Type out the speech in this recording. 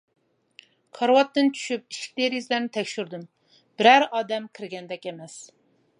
كارىۋاتتىن چۈشۈپ ئىشىك-دېرىزىلەرنى تەكشۈردۈم، بىرەر ئادەم كىرگەندەك ئەمەس.